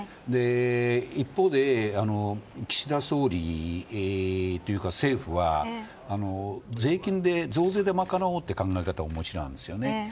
一方で岸田総理というか政府は税金で、増税で賄おうという考えがあります。